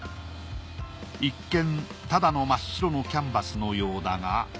一見ただの真っ白のキャンバスのようだが。